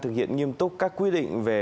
thực hiện nghiêm túc các quy định về